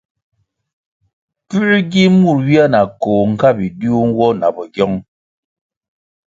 Puē gi mur ywia na koh nga bidiu nwo na bogyong?